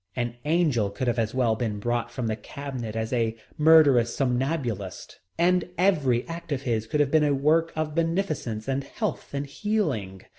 An angel could have as well been brought from the cabinet as a murderous somnambulist, and every act of his could have been a work of beneficence and health and healing.